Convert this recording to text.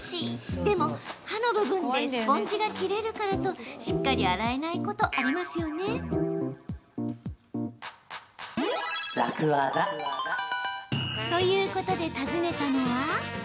でも刃の部分でスポンジが切れるからとしっかり洗えないことありますよね。ということで訪ねたのは。